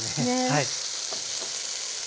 はい。